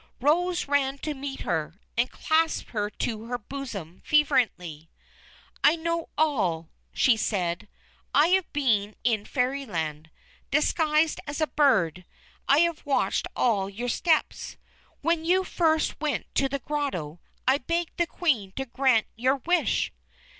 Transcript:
Rose ran to meet her, and clasped her to her bosom fervently. "I know all," she said; "I have been in Fairyland. Disguised as a bird, I have watched all your steps. When you first went to the grotto, I begged the Queen to grant your wish."